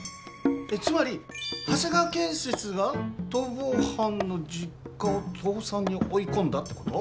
えっつまり長谷川建設が逃亡犯の実家を倒産に追い込んだってこと？